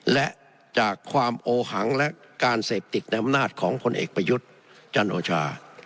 และจากความโอหังและการเสพติดในอำนาจของพลเอกประยุทธ์จันโอชา